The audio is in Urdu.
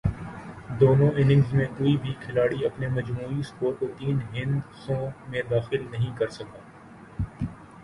دونوں اننگز میں کوئی بھی کھلاڑی اپنے مجموعی سکور کو تین ہندسوں میں داخل نہیں کر سکا۔